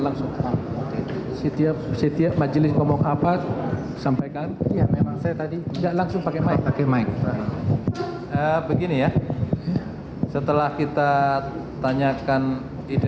bahasa indonesia bahasa inggris